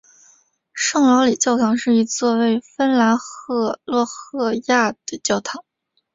圣劳里教堂是一座位于芬兰洛赫亚的教堂。